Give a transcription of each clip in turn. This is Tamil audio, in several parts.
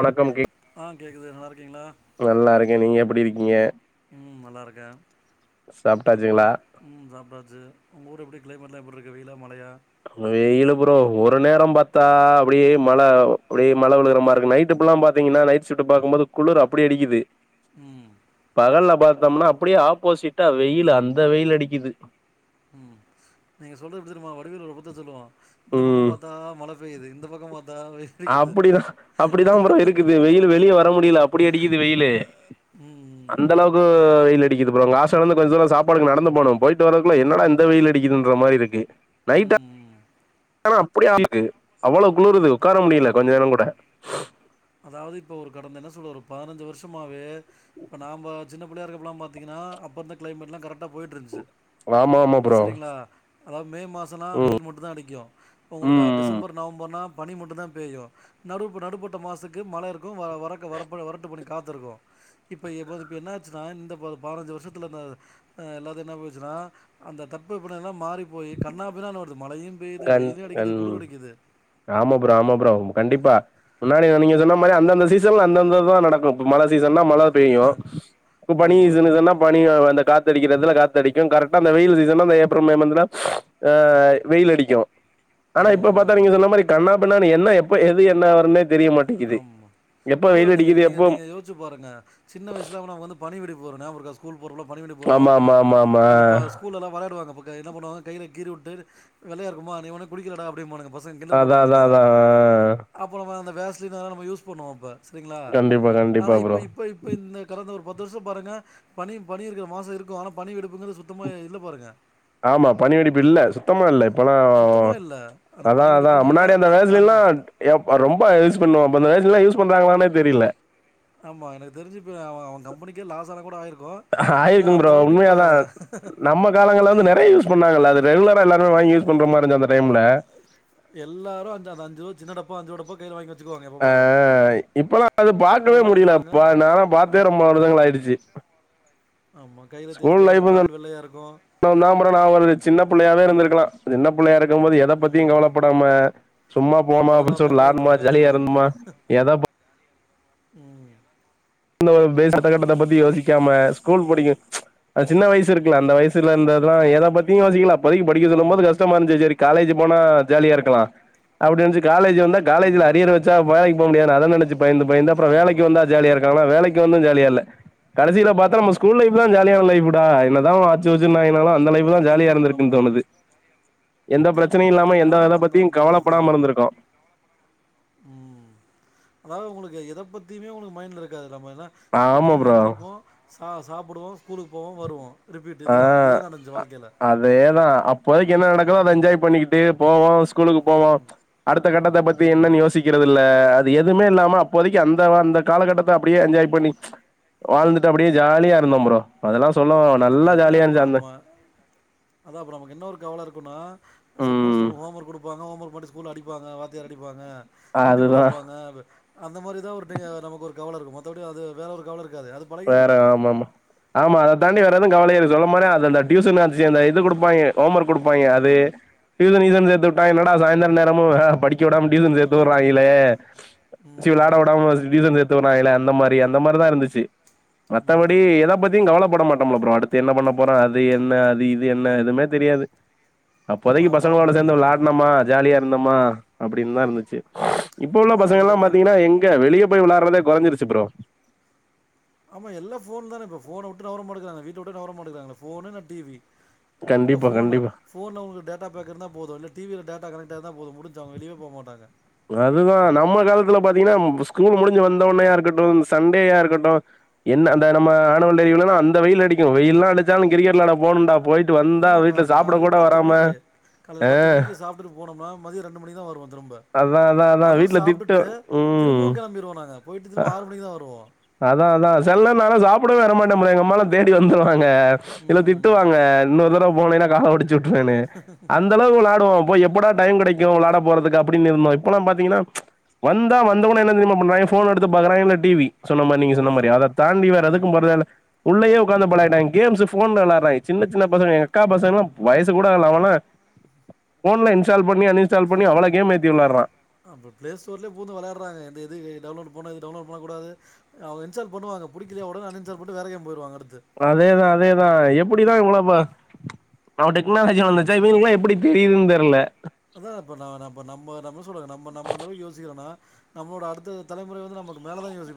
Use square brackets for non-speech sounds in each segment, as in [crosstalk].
வணக்கம் கே ஆ கேக்குது நல்லா இருக்கீங்களா நல்லா நீங்க எப்படி இருக்கீங்க உம் நல்லா இருக்கே சாப்ட்டாச்சுங்களா உம் சாப்டாச்சு உங்க ஊர் எப்படி க்ளைமேட்லா எப்பிட்ருக்கு வெயிலா மழையா வெயிலு ப்ரோ ஒர் ஒர் நேரோ பாத்தா அப்டியே மழ அப்டியே மழ விழுகுற மாரி இருக் நைட்டு புல்லா பாத்தீங்கன்னா நைட்ஸ் ஷிப்ட்டு பாக்குபோது குளிர் அப்டி அடிக்கிது ம் பகல்ல பாத் தம்னா அப்டியே ஆப்போசிட்டா வெயில் அந்த வெயில் அடிக்கிது ம் நீங்க சொல்றது எப்டி தெரிமா வடிவேல் ஒரு‌ படத்துல சொல்லுவா இந்த பக்கம் பாத்தா மழ பெய்து இந்த பக்கம் பாத் அப்புடிதா அப்புடிதா ப்ரோ இருக்குது வெயில் வெளியே வர முடியல அப்டி அடிக்குது வெயிலு ம் அந்த ம் அளவுக்கு வெயிலு அடிக்கிது ப்ரோ அங்க ஹாஸ்டல் இருந்து கொஞ்ச தூரோ சாப்பாடுக்கு நடந்து போனோ போயிட்டு வரதுகுள்ள என்னடா இந்த வெயிலு அடிக்கிதுன்ற மாரி இருக்கு நைட் ம் ஆனா அப்டியே [unintelligible] கு அவ்வளவு குளுருது உக்கார முடியில கொஞ்ச ஆமாம் நேரோ கூட அதாவது இப்ப ஒரு கடந்த என்ன சொல்லவரு பதினஞ்சி வருஷமாவே இப்ப நா‌ பாத் சின்ன புள்ளையா இருக்கப்பல்லா பாத்தீங்கன்னா அப்பருந்த கிளைமேட்லா கரெக்டா போயிட்டுருந்துச் ஆமா ஆமா ப்ரோ சரிங்களா அதாவது மே மாசோன்னா ம் வெயில் மட்டுந் தா அடிக்கு உங்களுக்கு அ ம் ம் டிசம்பர் நவம்பர்னா பனி மட்டுந் தா பெய்யு நடுப்பு நடுப்பட்ட மாசக்கு மழ இருக்கு வரக்க வரப்ப வரட்டு பனிக்கு காத்திருக்கோ இப்ப எம் பது இப்ப என்னாச்சினா இந்த பதனஞ்சி வருஷத்துல என்னாது அ எல்லாது என்ன பொச்சினா அந்த தட்பவெப்ப நெல லா மாறி போயி கன்னாபின்னான்னு வருது மழையும் பெய்யுது கண் வெயிலும் கண் அடிக்குது குளிர் அடிக்குது ஆமா ப்ரோ ஆமா ப்ரோ கண்டிப்பா முன்னாடி நீங்க சொன்ன மாரி அந்தந்த சீசன்ல அந்தந்த தா நடக்கு இப்ப மழ சீஸ் சீசன்னா மழ பெய்யு இப்பனி ஆமாம் சீசன்னா பனி அந்த காத் து அடிக்கிற‌ எடத்துல காத்தடிக்கு கரெக்டா அந்த வெயில் சீசன்னா அந்த ஏப்ரல் மே மந்துதா ஆ வெயில்லடிக் கியு ஆனா ம் இப்ப ம் பாத்தா நீங்க ம் சொன்ன மாரி கன்னாபின்னான்னு என்ன எப்ப எது என்ன வரும்னேத் மாட்டேங்கிது ஒண்ணுல்ல நீங்க நீங்க நீங்க யோஸ்ச்சி பாருங்க சின்ன வயசுல ஒன்னா ஒக்காந்து பணி வெடி போற நியாபகருக்கா போறோல்ல பனி வென்டி போறோ ஆமா ஆமா ஆமா அ ஆமா அதுல பா ஸ்கூல்லலா வெளாடுவாங்க அப்ப க என்ன பண்ணுவாங்க கைல கீரி வுட் துரு வெள்ளையாருக்குமா நீ உனக்கு புடிக்கிலடா அப்டீம்பானுங்க பசங் கிண்டல் அதா அதா பண்ணுவானுங்க அதுலா அதா ஆ அப்புறோமா அந்த ச்சிந்தாலு நம்ம யூஸ் பண்ணுவோ அப்ப சரிங்களா கண்டிப்பா ஆனா கண்டிப்பா ப்ரோ இப்ப இப்ப இப்ப இந்த கடந்த ஒரு பத்து வர்ஷோ பாருங்க பனி பனி இருக்குற மாசோ இருக்கோ ஆனா பனி வெடிப்புங்குறது சுத்தமா இல்ல பாருங்க ஆமா பனி வெடிப்பு இல்ல சுத்தமா இல்ல இப்பனா சுத்தமா இல்ல. அந்த அதா பனி அதா வெடிப்பும் இல்ல. முன்னாடி அந்த வேய்ஸ்லேல்லா எப் ரொம்ப யூஸ் பண்ணுவோ அப்ப அந்த வேய்ஸ் ல்லா யூஸ் பண்றாங்களானே தெரில ஆமா எனக்கு தெரிஞ்சி இப்ப அவ அவ கம்பனிக்கே லாஸ் ஆன கூட ஆயிருக் ஆயிருக்கு ப்ரோ உண்மையாதா நம்ம காலங்கள்ள வந்து நெறைய யூஸ் பண்ணாங்கள்ள அது ரெகுலரா எல்லாரு வாங்கி யூஸ் பண்ற மாரிருந்த அந்த டைம்ல எல்லாரு அஞ்சா தா அஞ்சுரு சின்ன டப்பா அஞ்சிருவா டப்பா கையில வாங்கி வச்சுக்குவாங்க எப்ப அ பாரும். இப்பல்லா அது அத பாக்கவே வாங்கி வச்சுக்குவாங்க. முடியலப்ப நா பாத்தே ரொம்ப வரர்ஷங்கள் ஆயிடிச்சி ஆமா கையில தேச்சிக்குவாங்க கால் வெள்ளையாருக்கு [unintelligible] நா ஒரு சின்ன புள்ளையாவே இருந்திருக்களா சின்ன புள்ளையாருக் இருக்கும்போது எத பத்தியு ம். கவலப்படாம சும்மா வ போமா அப்டின் வளராமயே சொல் அப்டியே வெளான்மா ஜாலியா இருந்திருக்கலாங்கிறீங்க. இருந்தமா எதப் ம் [unintelligible] அடுத்தக்கட்டத்த பத்தி யோசிக்காம ஸ்கூல் படிக்கு சின்ன வயசு இருக்குல அந்த வய்சுலந்த தா எதபத்தியு யோசிக்கலா இப்போதிக்கு படிக்க ஆமா. சொல்லும்போது கஷ்டமாருஞ்சி சரி காலேஜ் போனா ஜாலியா இருக்கலா‌ அப்டிஞ்சி காலேஜ் ஜி வந்தா காலேஜ்ல ஆமா. அரியர் வச்சா வேலைக் போ முடியாது அத நெனச்சி பயந்து பயந்து அப்புறோ ஆமா. வேலைக்கு வந்தா ஜாலியா வேலக்கி வந்து ஜாலியா இல்ல கடைசியில பாத்த நம் ஸ்கூல் லைப் தா ஜாலியான லைப்டா என்னதா [unintelligible] [unintelligible] அந்த நீங்க லைப்தா ஜாலியா திரும்பி இருந்திருக்குன் ஆமா. தோணுது எந்த திரும்பி ப்ரச்சனயு இல்லாம பாத்தீங்கன்னா எந்தா இதா அந்த பத்தியு அந்த வயசு தான். ஆமா. கவலப்படாமருந்திருக்கோ ம் அதாவ்து உங்களுக்கு எத் இதை பத்தியுமே உங்களுக்கு மைண்ட்ல இருக்காதுல்லாம ஆமா தூங்கி ப்ரோ எந்துரிப்போ ஆ சாப்புடுவோ ஸ்கூலுக்கு போவோ வருவோ ஆ அ அதேதா அப்போதைக்கு என்ன நடக்குதோ அத என்ஜாய் பண்ணிகிட்டு போவோ ஸ்கூலுக்கு போவோ அடுத்த கட்டத்த பத்தி ம். என்னன்னு யோசிக்கிறது இல்ல அது எதுமே இல்லாம அப்போதைக்கு அந்த அந்த காலகட்டத்த அப்படியே என்ஜாய் பண்ணி வாழ்ந்துட்டு அப்படியே ஜாலியா இருந்தம் ப்ரோ அதெல்லா சொல்ல அப்ப என்ன அப்ப அம்ம அதா அப்ப நமக்கு என்ன ஒரு கவல இருக்குன்னா சப்போஸ் ம் நமக்கு ஹோம் ஒர்க் குடுப்பாங்க ஹோம் ஒர்க் பாட்டு ஸ்கூல்ல அடிப்பாங்க வாத்தியார் அடிப்பாங்க முட்டி போட அதுதா வெப்பாங்க அந்த மாரிதா ஒருத்தங்க நமக்கு ஒரு கவல இருக்கு மத்தபடி அது வேற ஒரு கவல இருக் வேற ஆமாமா ஆமா அத தாண்டி வேற எது கவலைகள் சொன்ன மாரி அது அந்த டியூசன் அந்த இது குடுப்பாங்க ஹோம் ஒர்க் குடுப்பாய்ங்க ஆ. அது ட்யூசன் கீசன் சேத்துட்டா என்னடா சாயந்தர நேரமு வெ படிக்க விடாம டியூஷன் சேத்துடறாய்ங்களே ம், சி வெளாட ம். விடாம டியூசன் சேத்து விட்றாய்ங்களே அந்த மாரி அந்த மாரிதா இருந்துச்சு ம் மத்தபடி ஆமா. எத பத்தியு கவலப்பட மாட் டம் ப்ரோ அடுத்து என்ன பண்ண போறோ அது என்ன அது இது என்ன எதுமே தெரியாது ஆமா. அப்போதைக்கு அப்ப பசங்களோட அப்ப நீங்க சேந்து வெளாடுனமா ஜாலியா இருந்தம்மா அப்பிடின்தா இருந்துச்சு இப்ப உள்ள அதான் பசங்க அந்த எல்லா கட்ட பாத்திங்கனா எங்க வெளிய போய் விளாடுறதே கொறஞ்சிருச்சு ப்ரோ ஆமா எல்லா ஃபோன் தானே இப்ப ஃபோன வுட்டு நவரமாட்டங்கறாங்க வீட்ட வுட்டு நவரமாட்டங்கறாங்களே ஃபோனு இல்லனா டி வி இல்ல கண்டிப்பா ஃபோனு கண்டிப்பா ஃபோன்ல உங்ளுக்கு டேட்டா பேக் இருந்தா போது இல்ல டி வி ல டேட்டா கனெக்ட் இருந்தா போது முடிஞ்ச்சு அவங்க வெளியவே போவ மாட்டாங்க அதுதா நம்ம காலத்துல பாத்திங்னா ஸ்கூல் முடிஞ்சு வந்தோன்னையா இருக்கட்டு சண்டேயா இருக்கட்டு என்ன அந்த நம்ம ஆனுவல் டே லீவுலலா அந்த வெயில் அடிக்கு வெயில்லா அடிச்சாலு கிரிக்கெட் விளாட போனுன்டா போயி ஆமா கா இப்ப காலைல பத்து மணிக்கு காலைல ஆ பத்து மணிக்கு சாப்ட்டு போனம்னா மதிய ரெண்டு மணிக்குதா வருவோ திரும்ப அதா அதா அதா அதுவும் வீட்ல திட்டு சாப்பிட்டுட்டு ம் திரும்பவும் கிளம்பிடுவோம் நாங்கள் போயிட்டு அ திரும்ப ஆறு மணிக்கு தான் வருவோம் அதா அதா செல்ல நாலும் சாப்புடவே வர மாட்டா போலையே எங்கம்மால்லா தேடி வந்துருவாங்க இதுல ம் ம் திட்டுவாங்க இன்னொ தட போனன்னா கால ஒடிச்ச விட்ருவேன்னு அந்த அளவுக்கு விளாடுவோ இப்போ எப்படா டைம் கெடைக்கு விளாட போறதுக்கு அப்டின்னு இருந்தோ இப்பல்லா பாத்தீங்கன்னா வந்தா வந்தவொன்னே என்னா தெரியுமா பண்ணுவாய்ங்க போன் எடுத்து பாக்குறா இல்ல டி வி சொன்ன மாரி நீங்க சொன்ன மாரி அவ்வளோதான் அத தாண்டி வேற எதுக்கு ம் போறதேல்ல உள்ளயே உக்காந்து பழகிட்டாய்ங்க கேம்ஸ்ஷு போன்லளாடுறாங்க சின்ன சின்ன பசங்க எங்கக்கா பசங்கலா வயசு கூட ஆகல அவன்லா போன்ல இன்ஷால் பண்ணி அன்இன் அப்ப பிளே ஸ்டோர்லயே பூந்து வெளாடுறாங்க இந்த எது டவுன்லோட் டவுன்லோட் பண்ணக்கூடாது அவங்க இன்ஸால் பண்ணுவாங்க புடிக்கலயா ஒடனே அன்இன்சால் பன்னிட்டு வேற கேம் போய்டுவாங்க அதேதா அதேதா எப் அப்படிதா இவ்ளப்ப ந டெக்னாலஜி வந்துச்சா எல்லா எப்டி தெரியுதுன்னு தெரியல அதா இப்ப ந ந நம்ம நம்ம சொல்லுங்க நம்ம நம்ம அந்தளவுக்கு யோசிக்கிறோனா நம்மளோட அடுத்த தலைமுறை வந்து நமக்கு மேலதா யோசிக்க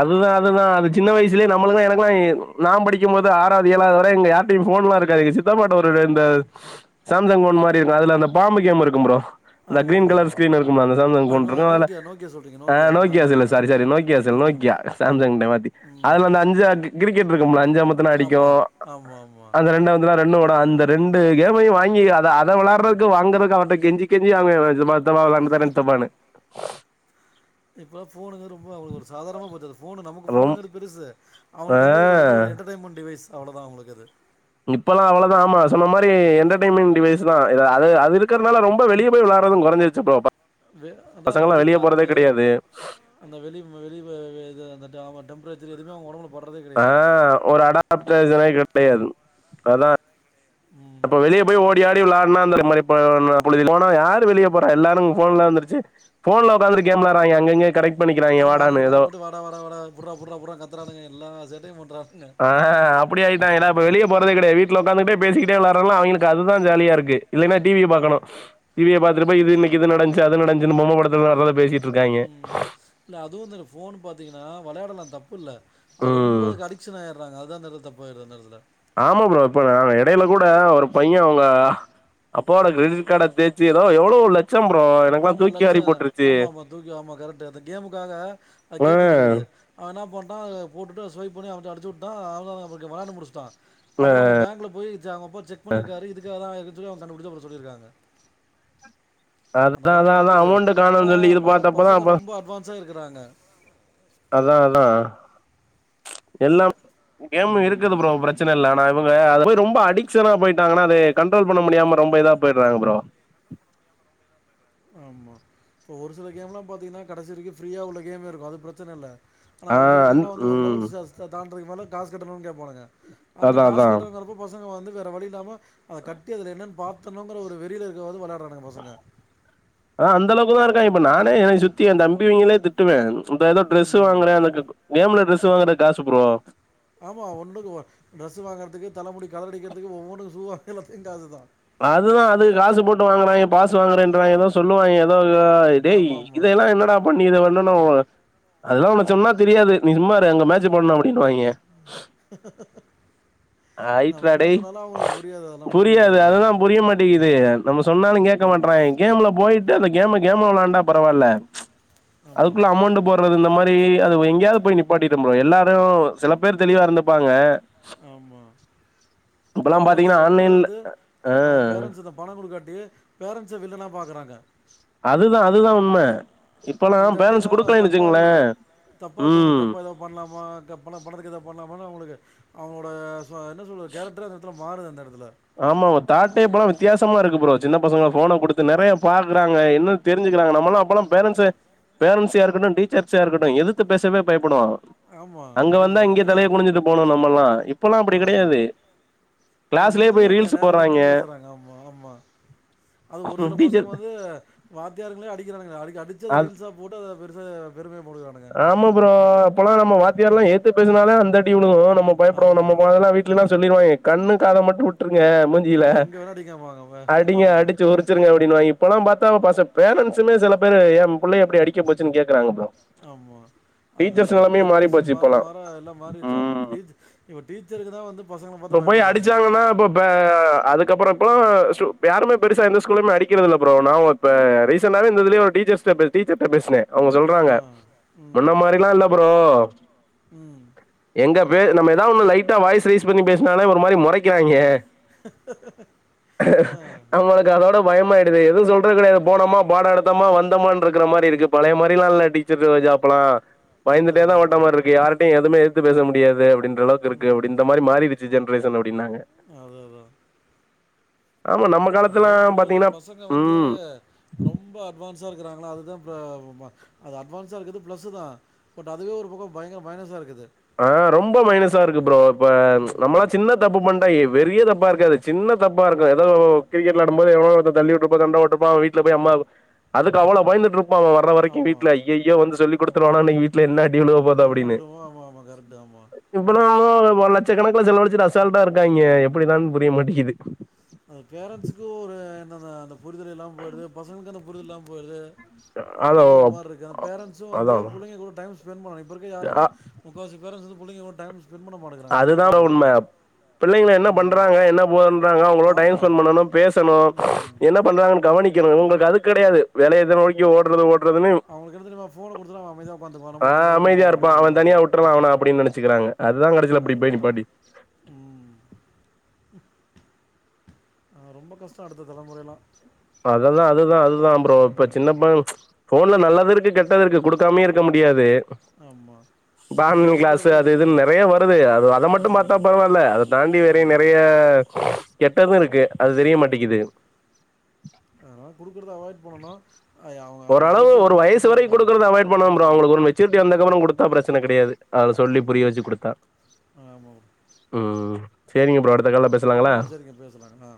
அதுதா அதுதா அது சின்ன வயசுலயே நம்மளுக்குதா எனக்குல்லா நா படிக்கும்போது ஆறாவது ஏழாவது வரை இங்க யார்ட்டயு போன்லா இருக்காது இந்த சித்தப்பாட்ட ரெண்டு சாம்சங் மாரி இருக்கு அதுல அந்த பாம்பு கேம் இருக்கு ப்ரோ இந்த ஆமா கிரீன் ஆமா கலர் ஆமா ஸ்கிரீன் இருக்குல அந்த சாம்சங் அது நோ போன்ருக்கு அதுல நோக்கியா நோக்கியா சொல்றீங்க ஆ நோக்கியா ஆ cell sorry sorry Nokia cell நோக் ம் சாம்சங்ட்ட மாத்தி அதுல ம் அந்த அஞ்ச அ கிரிக்கெட் இருக்கும்ல அஞ் அஞ்ச அமுத்துனா அடிக்கு ஆமா ஆமா ஆமா அந்த ரெண்ட வந்துனா ப்ரண்டோட அந்த ரெண்டு கேமையு வாங்கி அத அத வெளாறதுக்கு வாங்கறதுக்கு அவட்ட கெஞ்சி கெஞ்சி வாங்குவே [unintelligible] சித்தப்பா வெளாண்ட்டு தரே சித்தப்பான்னு இப்பல்லா போனுங்க ரொம்ப அவளுக்கு ஒரு சாதாரமா போச்சு அது போனு நமக்கு ரொம் போனுங்கிறது பெருசு அவங்களுக்கு வந்து ஒரு வந்து ஆ ஒரு என்டர்டய்மெண்ட் டிவைஸ் அவ்ளோதா அவங்களுக்கு அது இப்பல்லா அவ்வளதா ஆமா சொன்ன மாரி என்டர்டெய்ன்மெண்ட் டிவைஸ் தா அது அது இருக்கிறதுனால ரொம்ப வெளிய போய் விளா றது குறசிருச்சு ப்றோ ப அதா அந்த வெளிக்காத்து அந்த வெளி வெளி இது அந்த து அவங்க டெம்பரேச்சர் எதுமே அவங்க ஒடம்புல ஆ ஒரு அடாப்டேஜனே கெடையாது அதா ம் இப்ப வெளியே போய் ஓடி ஆடி விளா ன்னா அந்த மார போன புழுதில போனா யார் வெளிய போற எல்லாரு போன் வந்துருச்சு போன்ல உக்காந்துட்டு கேம் விளயாடுறாய்ங்க அங்கங்க கெடைக் ஆமாங்க கணக்குபோட்டு வாடா வாடா வாடா புட்ரா புட்ரா கத்துறானுங்க எல்லா சேட்டயு பண்றான் ஆ அப்டி ஆயிட்டாய்ன்னா அப்ப வெளிய போறதே கெடையாது வீட்டல ஒக்காந்துட்டே பேசிகிட்டே வெளாறது அவிங்களுக்கு அதுதா ஜாலியா இருக்கு இல்லனா டி வி பாகணு டி விய பாக் பாத்துட்டு போய் இன்னைக்கு இது நடஞ்ச்சு அது நடஞ்ச்சுனு பொம்ம படத்தில அதுல பேசி ம் இல்ல அதுவு இந்த போன் பாத்தீங்கன்னா வெளயாடலா தப்புல்ல அது ரொம்ப ம். அடிக்சன் ஆயிறாங்க அதுதா அந்த எடத் தப்பாயிருது அந்தடத்துல ஆமா ப்ரோ இப்ப நா எடையில கூட ஒரு பைய அவங்க அப்போட கிரெடிட் கார்ட தேச்சு எதோ எவ்ளோல ஆமா லட்ச ஆமா ஆமா தூக்கி ஆமா கரெக்ட்டு அந்த கேமுக்காக அ ஆ கேட்டுந்திருக்குது அவ என்ன பண்ணிட்டா அத போட்டுட்டு ஸ்வைப் பண்ணி அவ்ட்ட அடிச்சு விட்டா அவ [unintelligible] விளாண்டு முடிச்சுட்டா ஆ அப்புற அவங்க பேங்க்ல போய் ஜா அவங்கப்ப செக் பண்ணிருக்காரு இதுக்காதா இரு இதையு கண்டுபுடிச்சி அப்ற சொல்லிருக்காங்க அந்த அதா மாரி அதா அதா நடக்குது அமௌண்ட்டு ஏனா காணோன்னு சொல்லி இது ப பாத்தப்பதா பசங்க அப்ப ரொம்ப அட்வான்ஸா இருக்குறாங்க அதா அதா எல்லாம் கேமு ம் இருக்குது ப்ரோ பிரச்சனை இல்ல ஆனா இவங்க அத போய் ரொம்ப அடிக்ஷனா போயிட்டாங்கன்னா அத கண்ட்ரோல் பண்ண முடியாம ரொம்ப இதா போய்றாங்க ப்ரோ ஆமா இப்போ ஒரு சில கேம்லா பாத்தீங்கன்னா கடைசி வரைக்கு ஃப்ரீயாக உள்ள கேமே இருக்கு அது பிரச்சனை இல்ல ஆனா ஆ ஒரு சில கேம் அந் வந்து ஒரு லெவல் ம் சா தான்றத்துக்கு காசெல்லா கேப் அந்த அதா காசு அதா கட்டுறங்கறப்ப பசங்க வந்து வேற வழில்லாம அத கட்டி அதல என்னன்னு பாத் அத்தனுங்கிற ஒரு வெறியில இருக்காவது விளாடுறாங்க பசங்க ஆ அந்தளவுக்குதா இருக்கான் இப்ப நானே எனக்கு சுத்தி என் தம்பிவங்ளே திட்டுவே இந்த ஏதோ ட்ரெஸ் ம். வாங்குறே எனக்கு கேம்ல ட்ரெஸ் வாங்கற காசு ப்ரோ ஆமா ஒண்ணுக்கு டிரஸ் வாங்குறதுக்கு தலைமுடி கலர் அடிக்கிறதுக்கு ஒவ்வொன்னுக்கு சூவா எல்லாத்துக்குங் காசுதா அதுதா அது காசு போட்டு வாங்குறாங்க பாசு வாங்குறேன்றாங்க எதோ சொல்லுவாங்க எதோ டேய் ஆமாமா. இதெல்லா என்னடா பண்ணிக்கிற இன்னொன்னு என்ன ஒரு அதெல்லா உனக்கு சொன்னா தெரியாது நீ சும்மாரு அங்க மேட்சு பண்ணு அப்படினு வாங்க நம்ம ஆயிட்றா என்ன டேய் சொன்னாலு அவுங்களுக்கு புரியாது அதெல்லாம் புரியாது அவங்களுக்கு. அதுதா புரிய மாட்டேங்கிது நம்ம சொன்னாலு கேட்க ம். மாட்டறாங் கேம்ல போயி அந்த கேம கேமா வெளாண்டா பரவால்ல ஆமா. அதுக்குள்ள அமௌண்ட் போடுறது இந்த மா அது எங்கேயாவது போய் நிப்பாட்டிடு ப்ரோ எல்லாரு சில பேர் தெளிவா இருந்துப்பாங்க ஆமா இப்பல்லா இப்போ ஒரு பாத்தீங்கன்னா சில எடத்துல ஆன்லைன்ல வந்து ஆ அவன் பேரண்ட்ஸ் இந்த பணோ குடுக்காட்டி பேரன்ஸ்ச வில்லனா பாக்குறாங்க அதுதா அதுதா உண்ம இப்பல்லா அந்த பேரண்ட்ஸ் எடத்துலதா குடுக்கலைன்னு தப்பா வச்சுக்கங்களே உணத்து தப்பா தோணுது ம் தப்பா எதா பண்லாமா இந்த பண பணத்துக்கு எதா பண்லாமா பணோ உங்களுக்கு அவுங்களோட சொ என்ன சொல்றது கேரக்டரே அந்த எடத்துல மாறுது அந்த எட ஆமாமா தாட்டே இப்பல்லா வித்தியாசமா இருக்கு ப்ரோ சின்ன பசங்க போன குடுத்து நெறயா பாக்குறாங்க என்னனு தெரிஞ்சுகுறாங்க நம்மெல்லா அப்பெல்லா பேரண்ட்ஸ் பேரண்ஸியா இருக்கட்டு டீச்சர்ஸயா இருக்கட்டு எதித்து பேசவே பயப்படுவான் ஆமாம் அங்க வந்தா இங்க கண்டிப்பாக தலைய குனிஞ்சிட்டு போணோ நம்மல்லா இப்பல்லா அப்டி கெடையாது கிளாஸ்லயே போய் அதுதாங்க ரீல்ஸ் நேரா நிமிந்தா போட்றாய்ங்க பேசுறாங்க ஆமா ஆமா அது ஒரு சில பசங்க டீச்சர் வந்து வாத்தியாரங்களே அடிக்கிறா னுங்க அடி அடிச்சத அது ரீல்ஸா போட்டு அத பெருச பெருமயா போட்டுக்கறாங்க ஆமா ப்ரோ அப்பல்லா நம்ம வாத்தியாரல்லா எதித்து பேசினாலே அந்த அடி விழுகு நம்ம பயப்படுவோ நம்ம ஆமாம் மொதலெல்லா வீட்லல்லா சொல்லிருவாங்க கண்ணு காத மட்டு விட்டுரு ங்க மூஞ்சில எங்கே வேணால் அடிக்காமாங்க அடிங்க ஆமாம் அடிச்சு உரிச்சிருங்க அப்டின்னு வாங்க இப்பல்லான் பாத்தா பசங் பேரன்ண்ட்ஸுனு சில பேரு என் புள்ளய எப்டி அடிக்க போச்சுனு கேக்குறாங்க ப்ரோ ஆமா அதா டீச்சர்ஸ் நெலமையே மாறி ஜென்ரேஷன் போச்சு மாற இப்பல்லாம் மாற எல்லாம் மாறிடுச்சு ஆமா இப்ப ம் டீச் இப்ப டீச்சரு இப்ப போய் அடிச்சாங்கன்னா இப்ப அதுக்கப்புறோ இப்பல்லா ஸ்டு யாருமே பெருசா எந்த ஸ்கூல்லயுமே அடிக்கிறதில்ல ப்ரோ நா ஒ இப்ப ரீசண்டாவே இந்த இதுலயே ஒரு டீச்சர்ஸ்ட்ட டீ டீச்சர்ட்ட பேசின அவுங்க ஆ. சொல்றாங்க ம். முன்ன மாரில்லா இல்ல ப்ரோ ம். எங் க பே நம்ம எதாவது ஒண்ணு லைட்டா வாய்ஸ் ரெய்ஸ் பண்ணி பேசினாலே ஒரு மாரி மொறைக்கிறாங்க ஆ. நமளுக்கு அதோட பயமாயிடுது எது சொல்றது கெடையாது போனமா பாடோ எடுத்தமா வந்தமான்று இருக்கிற மாரி இருக்கு பழைய மாரில்லா இல்ல டீச்சர்ஸ் ஓட ஜாப் இப்பல்லா கரெக்ட்டு தான், பயந்துட்டேதா ஓட்ட கரெக்ட்டு மாரி தான். இருக்கு யாரிட்டயு எதுமே எதுத்து பேச முடியாது அப்டின் றளவுக்கு இருக்கு ம், அப்படி இந்த மாரி ம். மாறிடுச்சு ஜென்ரேஷன் அப்டின்னாங்க அதான், ஆமா நம்ம அப்டியே காலத்துலாம் போது பாத்தீங்கன்னா பசங்க வந்து ம் ரொம்ப அட்வான் ஸா இருக்கிறாங்ளா அதுதான் ப்ரோ அது அட்வான்ஸா இருக்குது பிளஸுதா பட் அதுவே ஒரு பக்கோ பயங்கர மைனஸா இருக்குது ஆ ரொம்ப மைனஸா இருக்கு ப்ரோ இப்ப நம்மெல்லா ம். சின்ன தப்பு பண் ணா பெரிய தப்பா இருக்காது சின்ன தப்பா இருக்கு எதாவது கிரிக்கெட் வெளாடும்போது எவனோ ஒருத்தன் தள்ளி விட்டுருப்பான் சண்டை போட்டு இருப்பான் வீட்ல போய் அம்மா அதுக்கு அவ்ளோ பயந்துட்டு இருப்போ அவுங்க வர்ற வரைக்கு ஆமா. வீட்ல அய்யய்யோ வந்து சொல்லி குடுத்துருவானோ இன்னைக்கு வீட்ல என்ன என்ன அடி விழுமோ ஆமாமா இவ்வளவு ஒரு லட்சக்கணக்குல செலவழச்சிட்டு அசால்டா இருக்காங்கிக எப்படிதான்னு புரிய மாட்டிக்கிது அதா அதா அந்த புரிதல் இல்லாம போயிடுது பசங்களுக்கு அந்த புரிதல் இல்லாம போயிடுது அதோ அப்டின்னு ஒரு மாரி இருக்கு ஆனா பேரன்ட்ஸு வந்து அதா புள்ளைங்க கூட டைம் ஸ்பெண்டு பண்ணணு இப்ப இருக்கிற யாருமே முக்கா வாசி பேரன்ட்ஸ் புள்ளங்ககூட டைம் ஸ்பெண்ட் பண்ண மாட்டேங்கிறாங்க அதுதான் அதுதாங்க காரணம் உண்ம அதுவும் பிள்ளைங்க என்ன ம் பண்றாங்க என்ன போன்றாங்க அவுங்களோட டைம் பார்க்கணும் ஸ்பெண்ட் பண்ணனு பேசணு ம் என்ன பண்றாங்கனு கவனி கிறது உங்களுக்கு அது கிடையாது வேலையே இத நோக்கி ஓடுறது ஓட் அவங்களுக்கு என்ன தெரியுமா ஃபோன குடுத்துட்டா அவன் அமைதியா உக்காந்துக்குவா ஆ நம்மல தொந்தரவு பண்ண அமைதியா மாட்டா அப்புடிங்கிற [unintelligible] அ அதுதா கடைச்சில அப்புடி போய் நீப்பாட்டி ஆ ரொம்ப கஷ்டோ அடுத்த தலமுறையல்லா இப்ப அததான் அதுதான் அதுதான் ப்ரோ இப்ப ம் சின்னப்ப ஃபோன் ல நல்லதூ இருக்கு கெட்டது இருக்கு குடுக்காமே இருக்க முடியாது ஆமா இப்ப ஆன்லைன் கிளாஸு அது இதுன்னு நெறையா வருது அது அத மட்டும் பாத்தா ம் பரவால்ல அத தாண்டி வேறே ஆமாம் நெறைய அ கெட்டதும் இருக்கு அது தெரிய மாட்டிகிது ஆனா குடுக்குறுது அவ ஓரளவு ஒரு வயசு என்னக்கேத்த மாரி வரைக்கும் பண்ணணு குடுக்குறது அவாய்ட் பண்ணணோ ப்ரோ ம் அவங்களுக்கு ஒரு மெச்சூரிட்டி வந்ததுக்கப்புறம் குட் குடுத்தா பிரச்சன கிடையாது அத சொல்லி ஆமா புரிய வச்சு குடுத்தா ஆமா ம் சரிங்க ப்ரோ அடுத் ஆ சரிங்க பேசலாங்க அ